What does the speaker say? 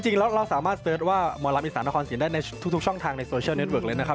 จริงแล้วเราสามารถเสิร์ชว่าหมอลำอีสานนครสินได้ในทุกช่องทางในโซเชียลเน็ตเวิร์กเลยนะครับ